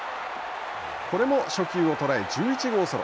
これも初球を捉え１１号ソロ。